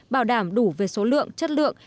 bảo đảm đủ về số lượng chất lượng